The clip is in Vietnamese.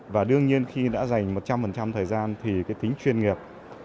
và đương nhiên khi đã dành một trăm linh thời gian thì cái tính chuyên nghiệp